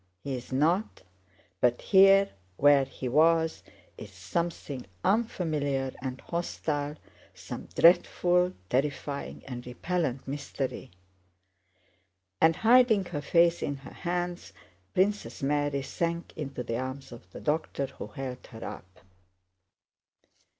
He is not, but here where he was is something unfamiliar and hostile, some dreadful, terrifying, and repellent mystery!" And hiding her face in her hands, Princess Mary sank into the arms of the doctor, who held her up.